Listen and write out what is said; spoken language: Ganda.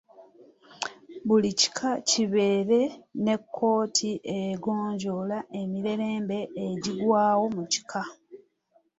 Buli kika kibeere ne kkooti egonjoola emirerembe egigwawo mu kika.